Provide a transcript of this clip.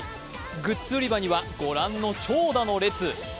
グッズ売り場にはご覧の長蛇の列。